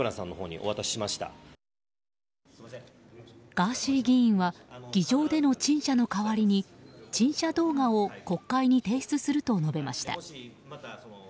ガーシー議員は議場での陳謝の代わりに陳謝動画を国会に提出すると述べました。